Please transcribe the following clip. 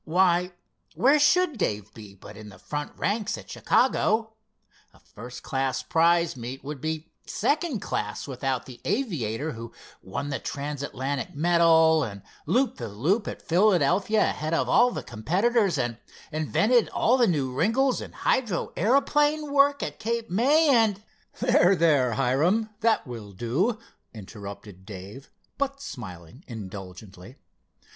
Why, where should Dave be but in the front ranks at Chicago? A first class prize meet would be second class without the aviator who won the trans Atlantic medal, and looped the loop at Philadelphia ahead of all the competitors, and invented all the new wrinkles in hydro aeroplane work at Cape May, and——" "There, there, Hiram—that will do," interrupted Dave, but smiling indulgently.